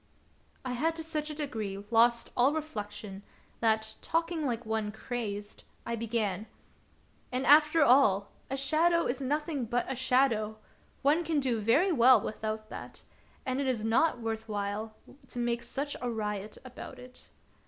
" I had to such a degree lost all reflection that, talking like one crazed, I began :" And, after all, a shadow is nothing but a shadow; one can do very well without that, and it is not worth while to make such a riot about it."